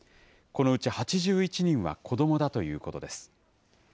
このうち８１人は子どもだということです。